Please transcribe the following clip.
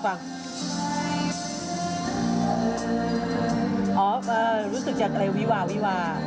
อ๋อรู้สึกทำอย่างไรวีวา